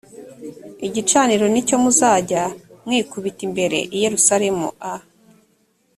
igicaniro ni cyo muzajya mwikubita imbere i yerusalemu a